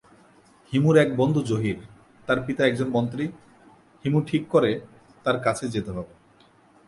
হিমুর এক বন্ধু জহির, তার পিতা একজন মন্ত্রী, হিমু ঠিক করে তার কাছেই যেতে হবে।